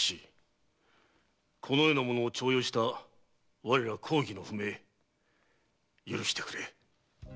このような者を重用した我ら公儀の不明許してくれ。